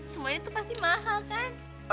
semuanya tuh pasti mahal kan